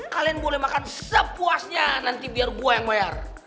kalian boleh makan sepuasnya nanti biar buah yang bayar